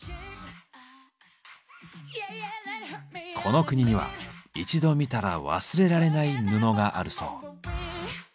この国には一度見たら忘れられない布があるそう。